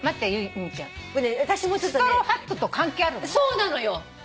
そうなのよ。